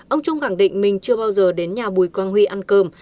ông trung khẳng định mình chưa bao giờ đến nhà bùi quang huy ăn cơm